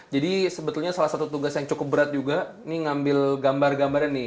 jadi sebetulnya salah satu tugas yang cukup berat juga ini ngambil gambar gambarnya nih